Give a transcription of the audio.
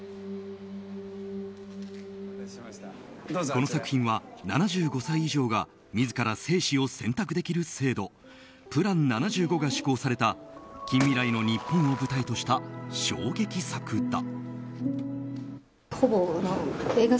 この作品は７５歳以上が自ら生死を選択できる制度プラン７５が施行された近未来の日本を舞台とした衝撃作だ。